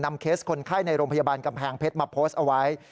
เคสคนไข้ในโรงพยาบาลกำแพงเพชรมาโพสต์เอาไว้